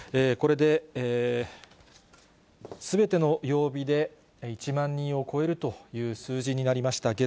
これですべての曜日で、１万人を超えるという数字になりました。